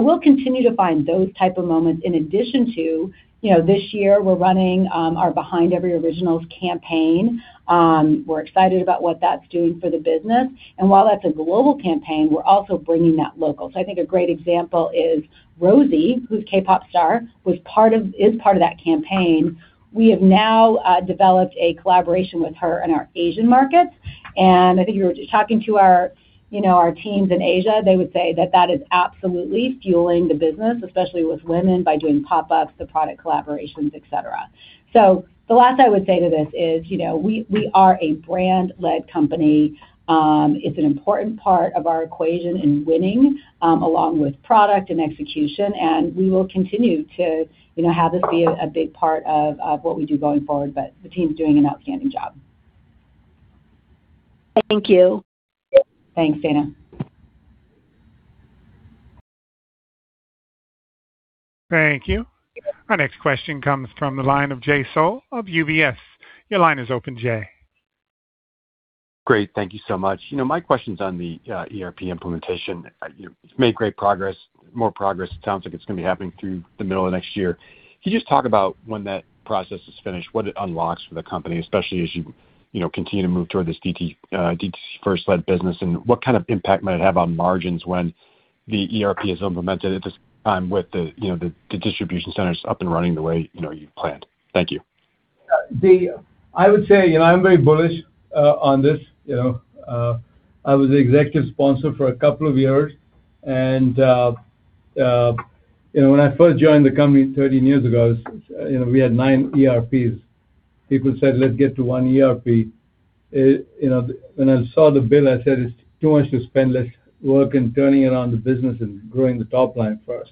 We'll continue to find those type of moments. In addition, this year, we're running our Behind Every Original campaign. We're excited about what that's doing for the business. While that's a global campaign, we're also bringing that local. I think a great example is Rosé, who's a K-pop star, is part of that campaign. We have now developed a collaboration with her in our Asian markets. I think if you were talking to our teams in Asia, they would say that that is absolutely fueling the business, especially with women, by doing pop-ups, the product collaborations, et cetera. The last I would say to this is, we are a brand-led company. It's an important part of our equation in winning, along with product and execution. We will continue to have this be a big part of what we do going forward, but the team's doing an outstanding job. Thank you. Thanks, Dana. Thank you. Our next question comes from the line of Jay Sole of UBS. Your line is open, Jay. Great. Thank you so much. My question's on the ERP implementation. You've made great progress, more progress. It sounds like it's going to be happening through the middle of next year. Can you just talk about when that process is finished, what it unlocks for the company, especially as you continue to move toward this DTC-first led business? What kind of impact might it have on margins when the ERP is implemented at this time with the distribution centers up and running the way you planned? Thank you. I would say, I'm very bullish on this. I was the executive sponsor for a couple of years. When I first joined the company 13 years ago, we had nine ERPs. People said, let's get to one ERP. When I saw the bill, I said, it's too much to spend. Let's work in turning around the business and growing the top line first.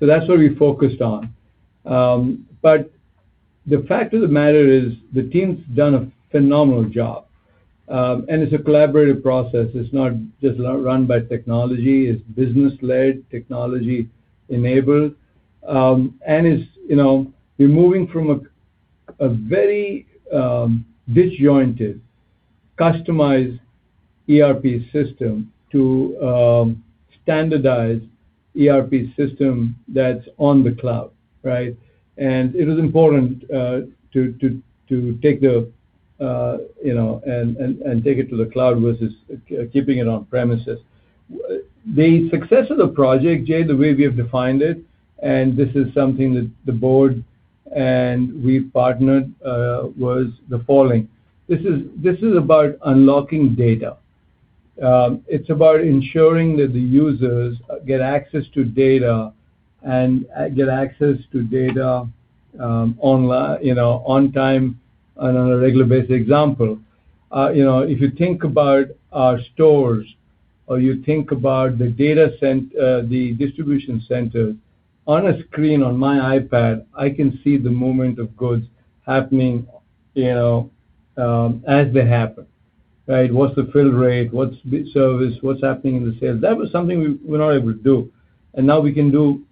That's what we focused on. The fact of the matter is the team's done a phenomenal job. It's a collaborative process. It's not just run by technology. It's business-led, technology-enabled. We're moving from a very disjointed, customized ERP system to a standardized ERP system that's on the cloud. It was important to take it to the cloud versus keeping it on premises. The success of the project, Jay, the way we have defined it—this is something that the board and we partnered—was the following. This is about unlocking data. It's about ensuring that the users get access to data and get access to data on time and on a regular basis. Example, if you think about our stores or you think about the distribution centers, on a screen on my iPad, I can see the movement of goods happening as they happen. What's the fill rate? What's the service? What's happening in the sales? That was something we were not able to do. Now, we can do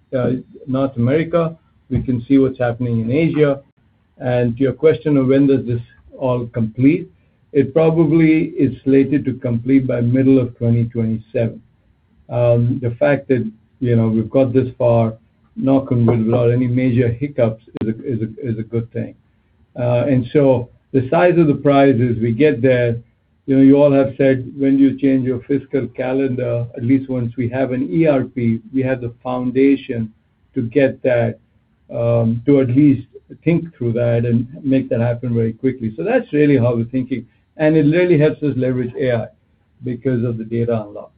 North America, we can see what's happening in Asia. To your question of when does this all complete, it probably is slated to complete by middle of 2027. The fact that we've got this far—knock on wood—without any major hiccups is a good thing. The size of the prize is we get there. You all have said when you change your fiscal calendar, at least once we have an ERP, we have the foundation to get that, to at least think through that and make that happen very quickly. That's really how we're thinking, and it really helps us leverage AI because of the data unlock.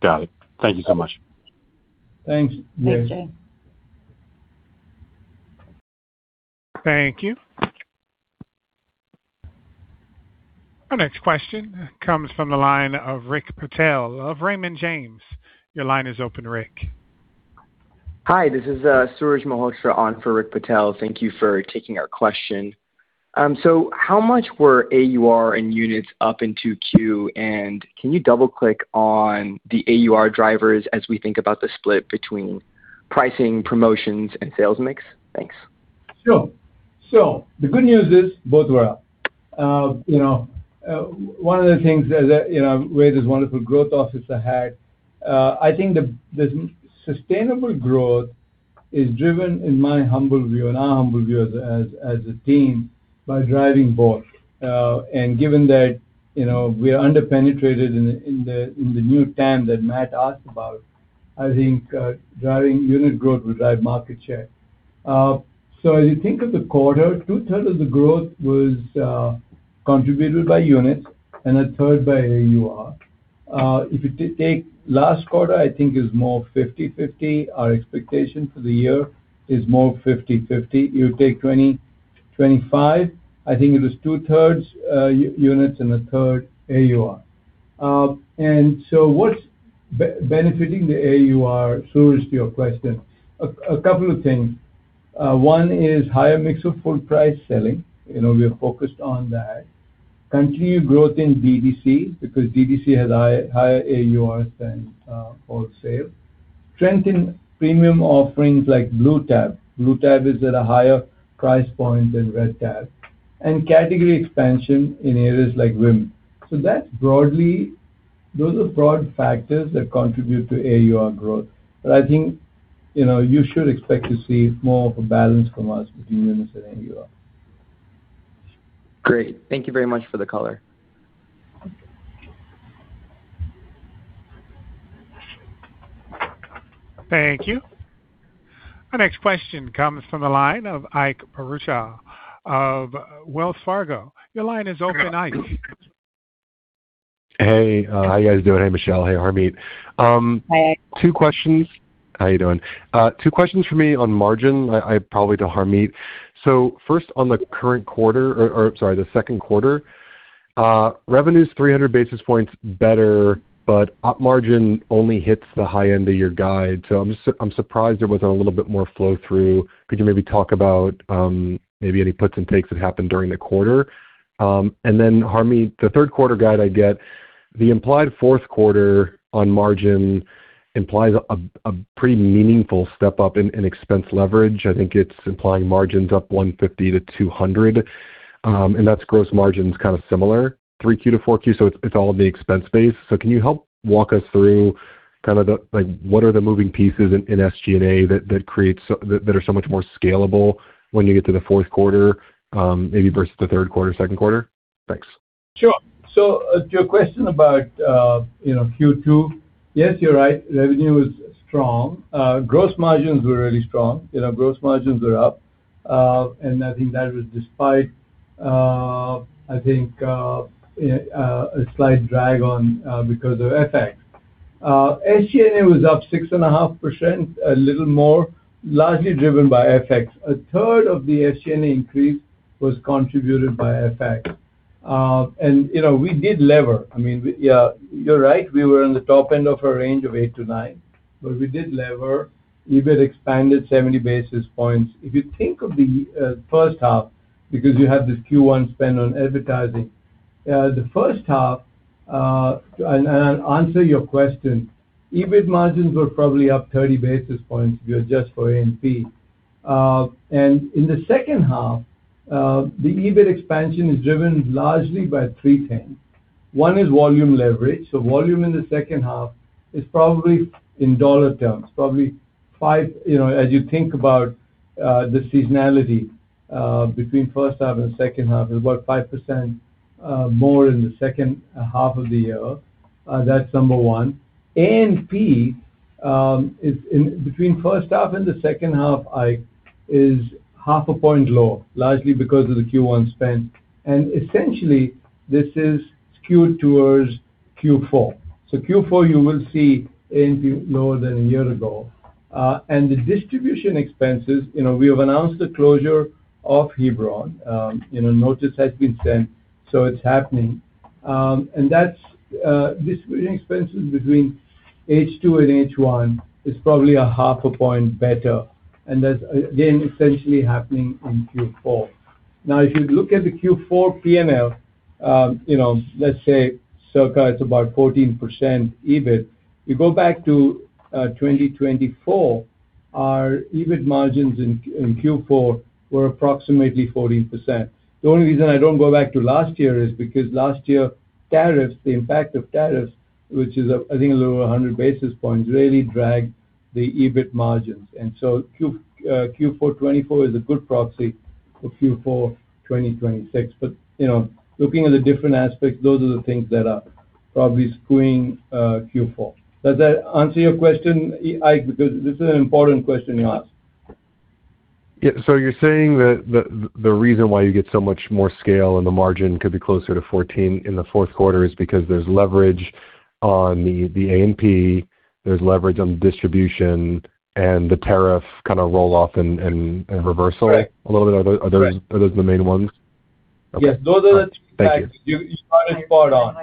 Got it. Thank you so much. Thanks, Jay. Thanks, Jay. Thank you. Our next question comes from the line of Rick Patel of Raymond James. Your line is open, Rick. Hi, this is Suraj Malhotra on for Rick Patel. Thank you for taking our question. How much were AUR and units up in 2Q? Can you double-click on the AUR drivers as we think about the split between pricing, promotions, and sales mix? Thanks. Sure. The good news is both were up. One of the things that Ray, this wonderful growth officer, had I think the sustainable growth is driven, in my humble view—and our humble view as a team—by driving both. Given that we are under-penetrated in the new TAM that Matt asked about, I think driving unit growth will drive market share. As you think of the quarter, 2/3 of the growth was contributed by units and 1/3 by AUR. If you take last quarter, I think is more 50/50. Our expectation for the year is more 50/50. You take 2025, I think it was 2/3 units and 1/3 AUR. What's benefiting the AUR, Suraj, to your question, a couple of things. One is higher mix of full price selling. We are focused on that. Continued growth in DTC because DTC has higher AURs than off sale. Trend in premium offerings like Blue Tab. Blue Tab is at a higher price point than Red Tab. Category expansion in areas like women. Those are broad factors that contribute to AUR growth. I think you should expect to see more of a balance from us between units and AUR. Great. Thank you very much for the color. Thank you. Our next question comes from the line of Ike Boruchow of Wells Fargo. Your line is open, Ike. Hey. How you guys doing? Hey, Michelle. Hey, Harmit. Hey. How you doing? Two questions from me on margin, probably to Harmit. First, on the current quarter, or sorry, the second quarter, revenue's 300 basis points better but op margin only hits the high end of your guide. I'm surprised there wasn't a little bit more flow-through. Could you maybe talk about maybe any puts and takes that happened during the quarter? Harmit, the third quarter guide I get, the implied fourth quarter on margin implies a pretty meaningful step up in expense leverage. I think it's implying margins up 150 basis points-200 basis points, and that's gross margins, kind of similar, 3Q to 4Q, it's all in the expense base. Can you help walk us through what are the moving pieces in SG&A that are so much more scalable when you get to the fourth quarter, maybe versus the third quarter, second quarter? Thanks. Sure. To your question about Q2, yes, you're right, revenue is strong. Gross margins were really strong. Gross margins were up. I think that was despite a slight drag on because of FX. SG&A was up 6.5%, a little more, largely driven by FX. A third of the SG&A increase was contributed by FX. We did lever. You're right, we were on the top end of our range of 8%-9%. We did lever, EBIT expanded 70 basis points. If you think of the first half—because you have this Q1 spend on advertising—and to answer your question, EBIT margins were probably up 30 basis points if you adjust for A&P. In the second half, the EBIT expansion is driven largely by three things. One is volume leverage. Volume in the second half is probably, in dollar terms, as you think about the seasonality between first half and second half, is about 5% more in the second half of the year. That's number one. A&P is, between first half and the second half, Ike, is 0.5 point low, largely because of the Q1 spend. Essentially, this is skewed towards Q4. Q4, you will see A&P lower than a year ago. The distribution expenses, we have announced the closure of Hebron. Notice has been sent, so it's happening. These expenses between H2 and H1 is probably 0.5 point better, and that's again, essentially happening in Q4. If you look at the Q4 P&L, let's say circa it's about 14% EBIT, you go back to 2024, our EBIT margins in Q4 were approximately 14%. The only reason I don't go back to last year is because last year, the impact of tariffs, which is I think a little over 100 basis points, really dragged the EBIT margins. Q4 2024 is a good proxy for Q4 2026. Looking at the different aspects, those are the things that are probably skewing Q4. Does that answer your question, Ike? Because this is an important question you asked. You're saying that the reason why you get so much more scale and the margin could be closer to 14% in the fourth quarter is because there's leverage on the A&P, there's leverage on the distribution, and the tariff roll-off and reversal a little bit? Correct. Are those the main ones? Yes. Those are the three factors. Thank you. You got it spot on.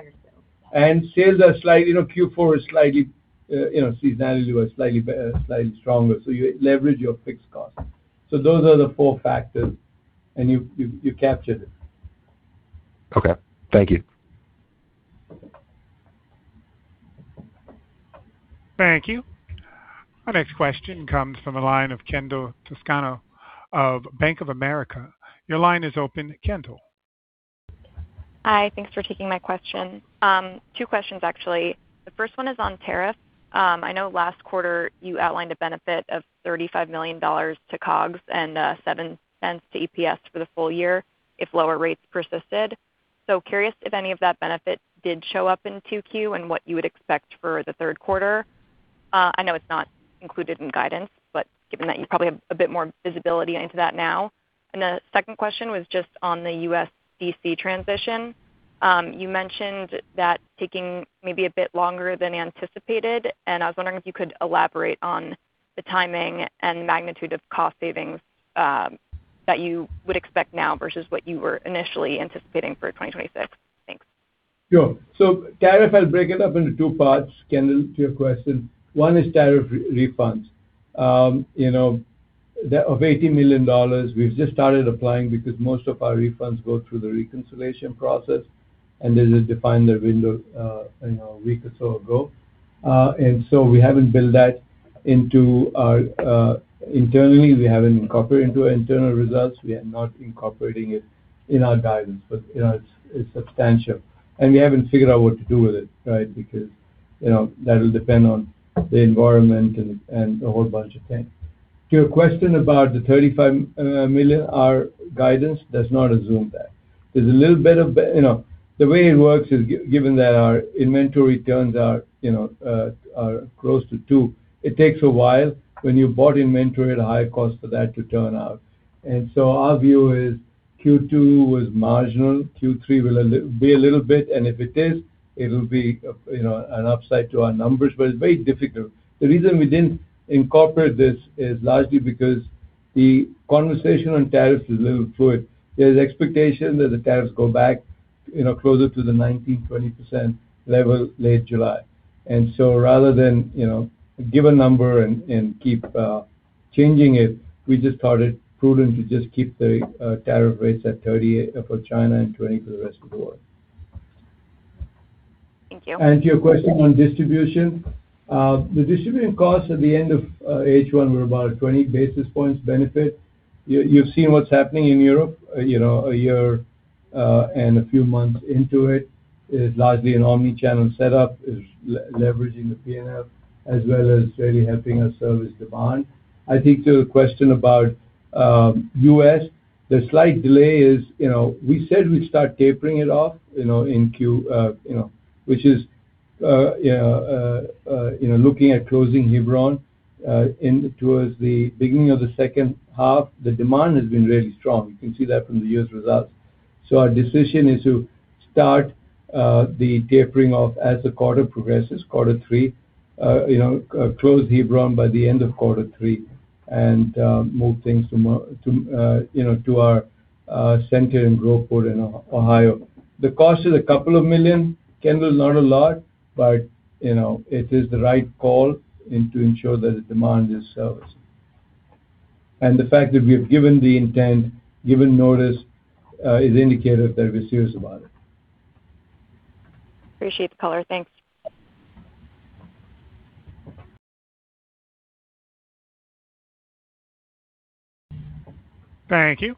Seasonality was slightly stronger, so you leverage your fixed costs. Those are the four factors, and you captured it. Thank you. Thank you. Our next question comes from the line of Kendall Toscano of Bank of America. Your line is open, Kendall. Hi. Thanks for taking my question. Two questions, actually. The first one is on tariffs. I know last quarter you outlined a benefit of $35 million to COGS and $0.07 to EPS for the full year if lower rates persisted. Curious if any of that benefit did show up in 2Q and what you would expect for the third quarter. I know it's not included in guidance, given that you probably have a bit more visibility into that now. The second question was just on the U.S. DTC transition. You mentioned that taking maybe a bit longer than anticipated, I was wondering if you could elaborate on the timing and magnitude of cost savings that you would expect now versus what you were initially anticipating for 2026. Thanks. Sure. Tariff, I'll break it up into two parts, Kendall, to your question. One is tariff refunds. Of $80 million, we've just started applying because most of our refunds go through the reconciliation process, there's a defined window a week or so ago. We haven't built that internally. We haven't incorporated into our internal results. We are not incorporating it in our guidance. It's substantial. We haven't figured out what to do with it, because that'll depend on the environment and a whole bunch of things. To your question about the $35 million, our guidance, does not assume that. The way it works is, given that our inventory turns are close to two, it takes a while when you bought inventory at a higher cost for that to turn out. Our view is Q2 was marginal. Q3 will be a little bit, if it is, it'll be an upside to our numbers. It's very difficult. The reason we didn't incorporate this is largely because the conversation on tariffs is a little fluid. There's expectation that the tariffs go back closer to the 19%-20% level late July. Rather than give a number and keep changing it, we just thought it prudent to just keep the tariff rates at 30% for China and 20% for the rest of the world. Thank you. To your question on distribution, the distribution costs at the end of H1 were about a 20 basis points benefit. You've seen what's happening in Europe a year and a few months into it. It is largely an omni-channel setup. It is leveraging the P&L as well as really helping us service demand. I think to the question about U.S., the slight delay is, we said we'd start tapering it off, which is looking at closing Hebron towards the beginning of the second half. The demand has been really strong. You can see that from the year's results. Our decision is to start the tapering off as the quarter progresses. Quarter three. Close Hebron by the end of quarter three and move things to our center in Groveport in Ohio. The cost is a couple of million USD, Kendall, not a lot, but it is the right call to ensure that the demand is serviced. The fact that we have given the intent, given notice, is indicative that we're serious about it. Appreciate the color. Thanks. Thank you.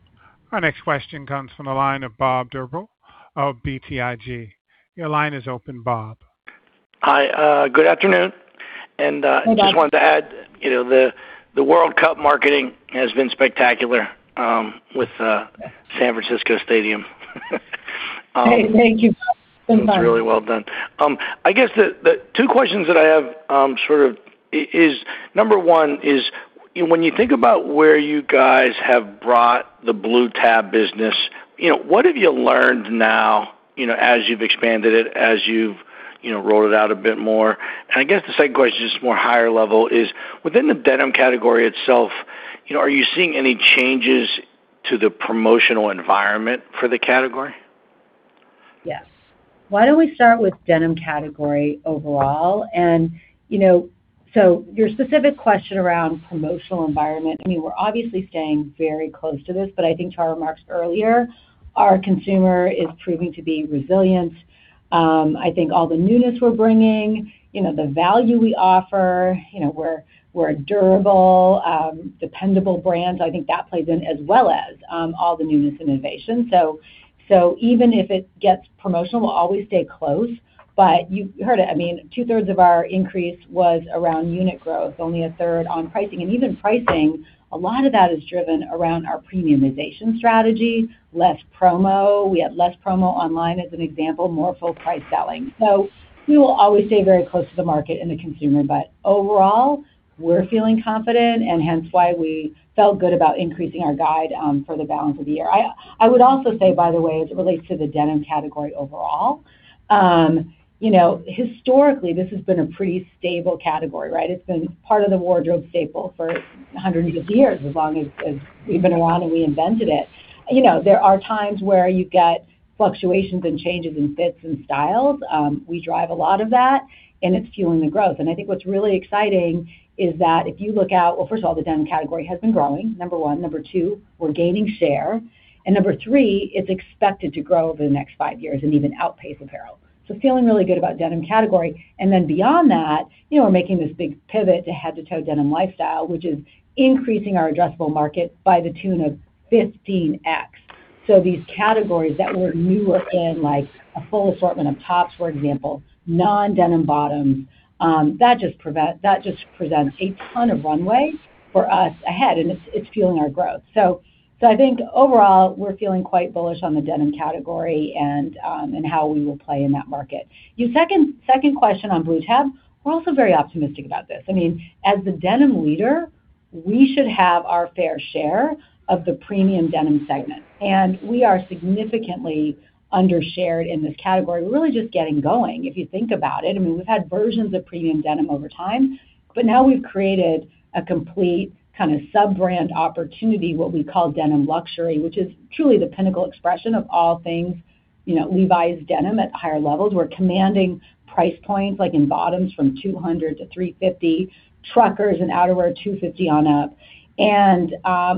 Our next question comes from the line of Bob Drbul of BTIG. Your line is open, Bob. Hi. Good afternoon. Hey, Bob. Just wanted to add, the World Cup marketing has been spectacular with the San Francisco Stadium. Great. Thank you, Bob. Same vibe. It's really well done. I guess the two questions that I have is, number one is, when you think about where you guys have brought the Blue Tab business, what have you learned now, as you've expanded it, as you've rolled it out a bit more? I guess the second question, just more higher level is, within the denim category itself, are you seeing any changes to the promotional environment for the category? Yes. Why don't we start with denim category overall. Your specific question around promotional environment, we're obviously staying very close to this, but I think to our remarks earlier, our consumer is proving to be resilient. I think all the newness we're bringing, the value we offer, we're a durable, dependable brand. I think that plays in as well as all the newness and innovation. Even if it gets promotional, we'll always stay close. You heard it, 2/3 of our increase was around unit growth, only a third on pricing. Even pricing, a lot of that is driven around our premiumization strategy, less promo. We had less promo online as an example, more full price selling. We will always stay very close to the market and the consumer, but overall, we're feeling confident and hence why we felt good about increasing our guide for the balance of the year. I would also say, by the way, as it relates to the denim category overall, historically, this has been a pretty stable category. It's been part of the wardrobe staple for hundreds of years, as long as we've been around, and we invented it. There are times where you get fluctuations and changes in fits and styles. We drive a lot of that, and it's fueling the growth. I think what's really exciting is that if you look out—well, first of all, the denim category has been growing, number one. Number two, we're gaining share. Number three, it's expected to grow over the next five years and even outpace apparel. Feeling really good about denim category. Then beyond that, we're making this big pivot to head-to-toe denim lifestyle, which is increasing our addressable market by the tune of 15x. These categories that were newer in like a full assortment of tops, for example, non-denim bottoms, that just presents a ton of runway for us ahead, and it's fueling our growth. I think overall, we're feeling quite bullish on the denim category and how we will play in that market. Your second question on Blue Tab, we're also very optimistic about this. As the denim leader, we should have our fair share of the premium denim segment, and we are significantly under-shared in this category. We're really just getting going, if you think about it. We've had versions of premium denim over time, we've created a complete sub-brand opportunity, what we call denim luxury, which is truly the pinnacle expression of all things Levi's denim at higher levels. We're commanding price points like in bottoms from $200 to $350, truckers and outerwear $250 on up.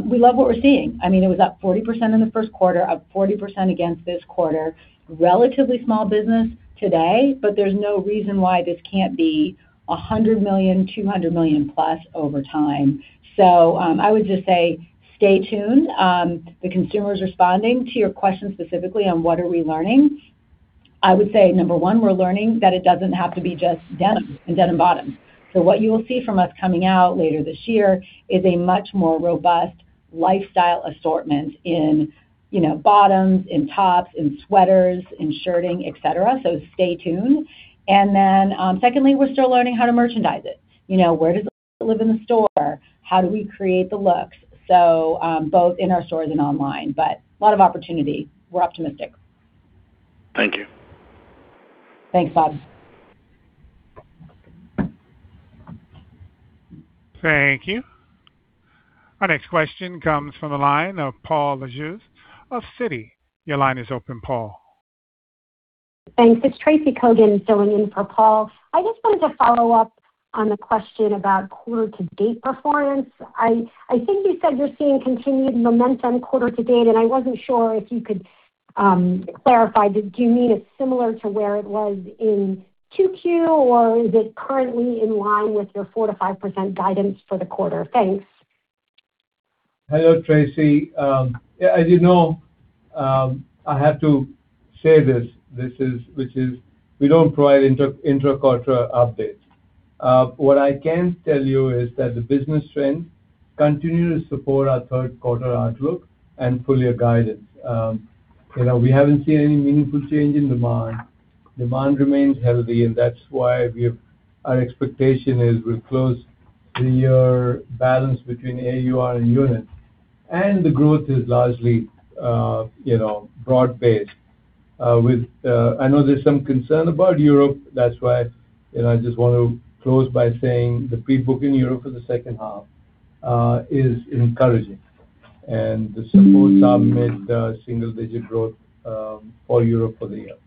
We love what we're seeing. It was up 40% in the first quarter, up 40% against this quarter. Relatively small business today, there's no reason why this can't be $100 million, $200+ million over time. I would just say stay tuned. The consumer's responding. To your question specifically on what are we learning, I would say, number one, we're learning that it doesn't have to be just denim and denim bottoms. What you will see from us coming out later this year is a much more robust lifestyle assortment in bottoms, in tops, in sweaters, in shirting, et cetera. Stay tuned. Secondly, we're still learning how to merchandise it. Where does it live in the store? How do we create the looks, both in our stores and online. A lot of opportunity. We're optimistic. Thank you. Thanks, Bob. Thank you. Our next question comes from the line of Paul Lejuez of Citi. Your line is open, Paul. Thanks. It's Tracy Kogan filling in for Paul. I just wanted to follow up on the question about quarter-to-date performance. I think you said you're seeing continued momentum quarter-to-date. I wasn't sure if you could clarify. Do you mean it's similar to where it was in 2Q, or is it currently in line with your 4%-5% guidance for the quarter? Thanks. Hello, Tracy. As you know—I have to say this—we don't provide intra-quarter updates. What I can tell you is that the business trend continue to support our third quarter outlook and full-year guidance. We haven't seen any meaningful change in demand. Demand remains healthy, and that's why our expectation is we'll close the year balance between AUR and units. The growth is largely broad-based. I know there's some concern about Europe, that's why I just want to close by saying the pre-booking Europe for the second half is encouraging, and the full sub made single-digit growth for Europe for the year.